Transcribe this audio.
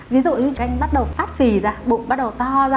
ví dụ như các anh bắt đầu phát phì ra bụng bắt đầu to ra